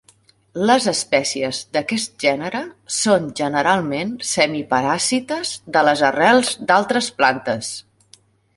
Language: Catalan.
Les espècies d'aquest gènere són generalment semiparàsites de les arrels d'altres plantes.